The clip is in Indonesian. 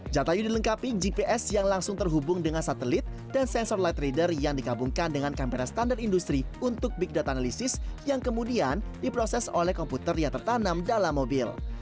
jatayu dilengkapi gps yang langsung terhubung dengan satelit dan sensor light reader yang digabungkan dengan kamera standar industri untuk big data analisis yang kemudian diproses oleh komputer yang tertanam dalam mobil